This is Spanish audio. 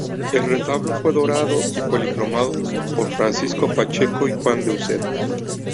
El retablo fue dorado y policromado por Francisco Pacheco y Juan de Uceda.